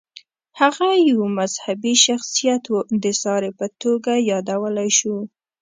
هغه یو مذهبي شخصیت و، د ساري په توګه یادولی شو.